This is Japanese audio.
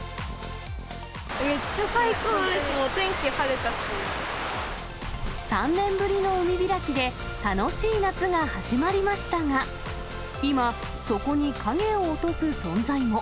めっちゃ最高です、もう天気３年ぶりの海開きで、楽しい夏が始まりましたが、今、そこに影を落とす存在も。